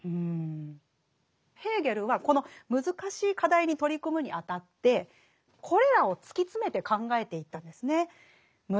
ヘーゲルはこの難しい課題に取り組むにあたってこれらを突き詰めて考えていったんですね。